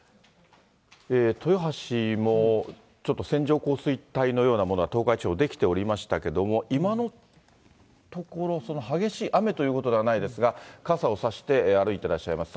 豊橋もちょっと線状降水帯のようなものが東海地方、出来ておりましたけれども、今のところ、激しい雨ということではないですが、傘をさして歩いてらっしゃいます。